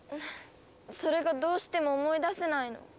それがどうしても思い出せないの。